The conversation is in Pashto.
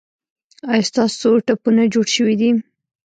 ایا ستاسو ټپونه جوړ شوي دي؟